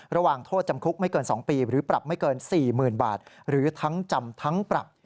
ระหว่างโทษจำคุกไม่เกิน๒ปีหรือปรับไม่เกิน๔๐๐๐บาทหรือทั้งจำทั้งปรับ